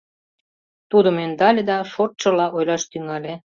Тудым ӧндале да шортшыла ойлаш тӱҥале: